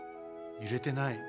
ゆれてない。